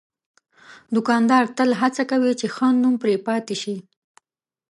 دوکاندار تل هڅه کوي چې ښه نوم پرې پاتې شي.